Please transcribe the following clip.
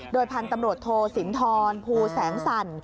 โดยผ่านตำรวจโทษินทรภูแสงสั่น